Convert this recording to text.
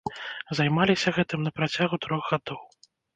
Займаліся гэтым на працягу трох гадоў.